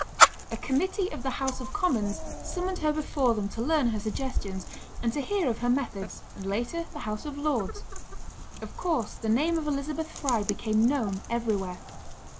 A committee of the House of Commons summoned her before them to learn her suggestions, and to hear of her methods; and later the House of Lords. Of course the name of Elizabeth Fry became known everywhere.